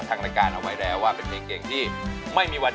ตามทะคายเหรอเพราะว่าอยากซื้อสวยก็ต้องเป็นแสน